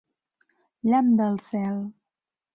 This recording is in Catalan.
Llamp del cel!